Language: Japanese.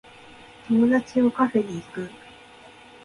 友達をカフェに行く